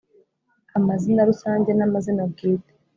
amazina rusange n’amazina bwite